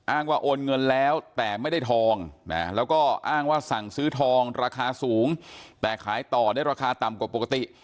ว่าโอนเงินแล้วแต่ไม่ได้ทองนะแล้วก็อ้างว่าสั่งซื้อทองราคาสูงแต่ขายต่อได้ราคาต่ำกว่าปกติ